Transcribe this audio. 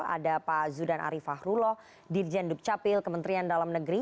ada pak zudan ariefahrullah dirjen dukcapil kementerian dalam negeri